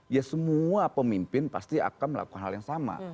ya semua pemimpin pasti akan melakukan hal yang sama